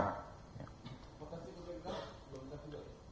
pokoknya itu belum bisa tidur